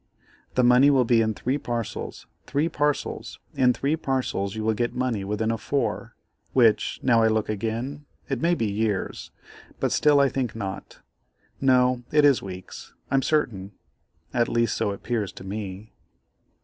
The money will be in three parcels—three parcels; in three parcels you will get money within a 4, which, now I look again, it may be years, but still I think not. No, it is weeks; I'm certain, at least, so it 'pears to me.